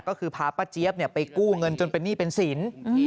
ก็คือพาป้าเจี๊ยบไปกู้เงินจนเป็นหนี้เป็นสิน